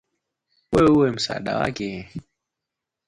wewe uwe msaada kwake